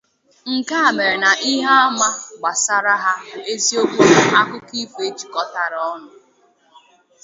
Nke a mere na ihe ama gbasara ha bụ eziokwu na akụkọ ifo ejikọtara ọnụ.